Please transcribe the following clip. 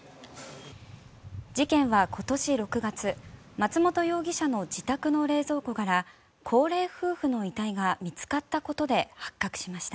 事件は今年６月松本容疑者の自宅の冷蔵庫から高齢夫婦の遺体が見つかったことで発覚しました。